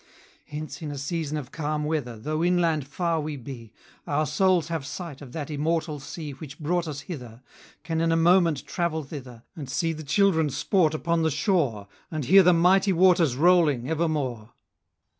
165 Hence in a season of calm weather Though inland far we be, Our souls have sight of that immortal sea Which brought us hither, Can in a moment travel thither, 170 And see the children sport upon the shore, And hear the mighty waters rolling evermore.